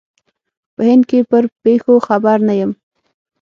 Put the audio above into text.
په هند کې پر پېښو خبر نه یم.